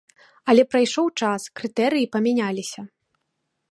Але прайшоў час, крытэрыі памяняліся.